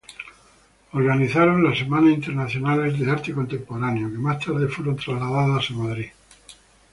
Organizaron las "Semanas Internacionales de Arte Contemporáneo", que más tarde fueron trasladadas a Madrid.